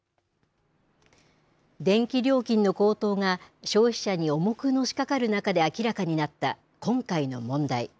電気料金の高騰が消費者に重くのしかかる中で明らかになった今回の問題。